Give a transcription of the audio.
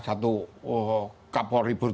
satu kapal ribut